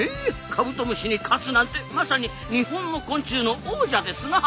カブトムシに勝つなんてまさに日本の昆虫の王者ですなあ。